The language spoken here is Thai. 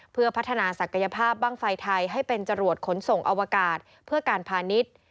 เพื่อพัฒนาศักยภาพบ้างไฟไทยให้เป็นจรวดขนส่งอวกาศเพื่อการพาณิชย์